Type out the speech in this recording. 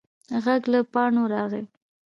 غږ له پاڼو راغی.